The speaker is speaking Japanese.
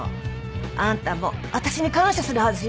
あんたもあたしに感謝するはずよ。